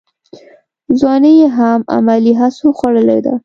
ځواني یې هم علمي هڅو خوړلې ده.